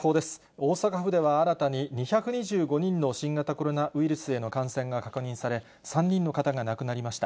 大阪府では新たに、２２５人の新型コロナウイルスへの感染が確認され、３人の方が亡くなりました。